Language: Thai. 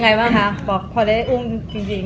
ไงบ้างคะบอกพอได้อุ้มจริง